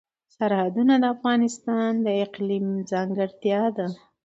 سرحدونه د افغانستان د اقلیم ځانګړتیا ده.